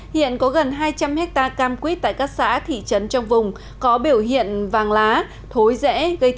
hiện có gần hai trăm linh ha cam quýt tại các xã thị trấn trong vùng có biểu hiện vàng lá thối rẽ